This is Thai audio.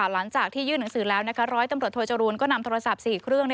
หลังจากที่ยื่นหนังสือแล้วร้อยตำรวจโทจรูนก็นำโทรศัพท์๔เครื่อง